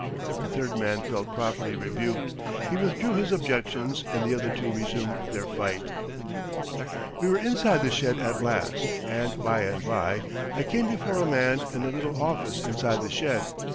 The third man felt properly rebuked. He withdrew his objections and the other two resumed their fight. We were inside the shed at last; and by and by I came before a man in a little office inside the shed.